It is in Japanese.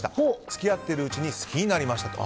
付き合っているうちに好きになりましたと。